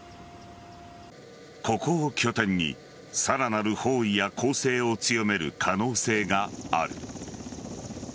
ここを拠点にさらなる包囲や攻勢を強める可能性がある。